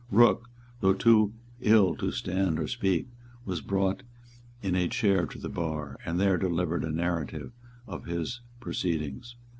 Rooke, though too ill to stand or speak, was brought in a chair to the bar, and there delivered in a narrative of his proceedings.